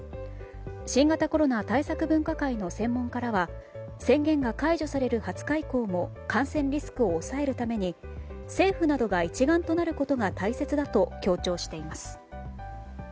新型コロナ対策分科会の専門家らは宣言が解除される２０日以降も感染リスクを抑えるために政府などが一丸となることが大切だと強調しています。